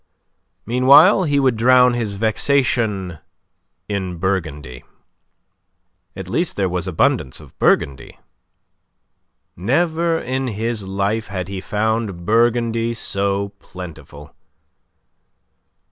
Meanwhile he would drown his vexation in Burgundy. At least there was abundance of Burgundy. Never in his life had he found Burgundy so plentiful.